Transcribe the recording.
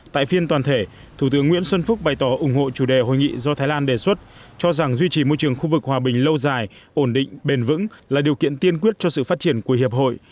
tại phiên toàn thể thủ tướng nguyễn xuân phúc bày tỏ ủng hộ chủ đề hội nghị do thái lan đề xuất cho rằng duy trì môi trường khu vực hòa bình lâu dài ổn định bền vững là điều kiện tiên quyết cho sự phát triển của hiệp hội